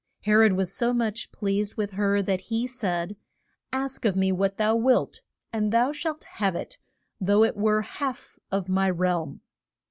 He rod was so much pleased with her that he said, Ask of me what thou wilt, and thou shalt have it, though it were half of my realm.